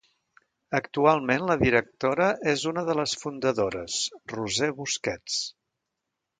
Actualment la directora és una de les fundadores, Roser Busquets.